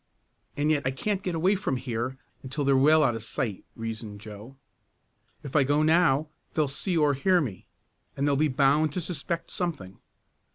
"And yet I can't get away from here until they're well out of sight," reasoned Joe. "If I go now they'll see or hear me, and they'll be bound to suspect something.